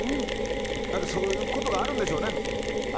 そういうことがあるんでしょうね